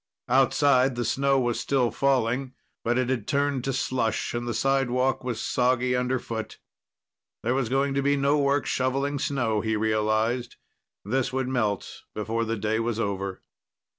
Outside, the snow was still falling, but it had turned to slush, and the sidewalk was soggy underfoot. There was going to be no work shoveling snow, he realized. This would melt before the day was over.